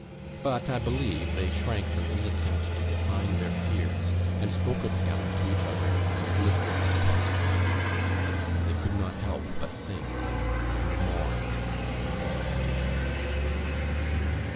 But, I believe, they shrank from any attempt to define their fears, and spoke of him to each other as little as possible. They could not help but think, and mourn, and wonder.